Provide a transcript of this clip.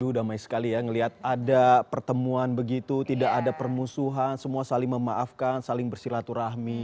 aduh damai sekali ya melihat ada pertemuan begitu tidak ada permusuhan semua saling memaafkan saling bersilaturahmi